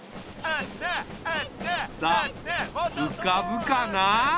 さあうかぶかな？